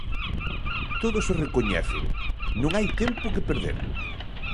Todos o recoñecen: non hai tempo que perder.